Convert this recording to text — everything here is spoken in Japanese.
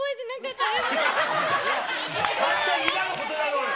ああ、今のことだろうよ。